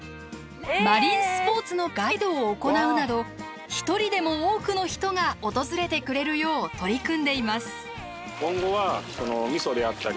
マリンスポーツのガイドを行うなど１人でも多くの人が訪れてくれるよう取り組んでいます。